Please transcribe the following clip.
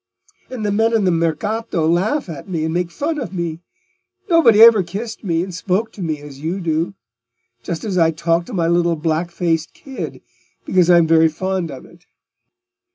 And the men in the Mercato laugh at me and make fun of me. Nobody ever kissed me and spoke to me as you do; just as I talk to my little black faced kid, because I'm very fond of it."